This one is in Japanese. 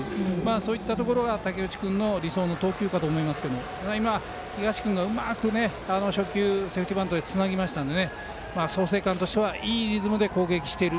そういったところが武内君の理想の投球だと思いますが今、東君がうまく初球をセーフティーバントでつなぎましたので創成館としてはいいリズムで攻撃している。